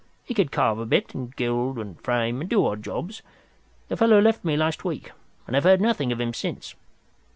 He could carve a bit, and gild and frame, and do odd jobs. The fellow left me last week, and I've heard nothing of him since.